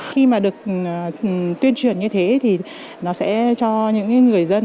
khi mà được tuyên truyền như thế thì nó sẽ cho những người dân